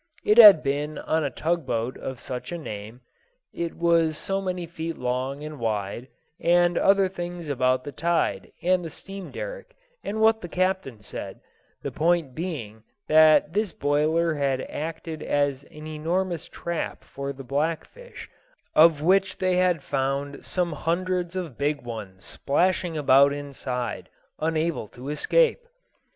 It had been on a tug boat of such a name, it was so many feet long and wide, and other things about the tide and the steam derrick, and what the captain said, the point being that this boiler had acted as an enormous trap for the blackfish, of which they had found some hundreds of big ones splashing about inside, unable to escape.